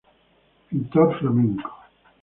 Pintor flamenco.